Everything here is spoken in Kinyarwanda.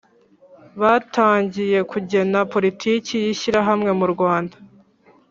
Batangiye kugena politiki y ishyirahamwe murwanda